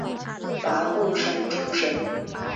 拔贡生出身。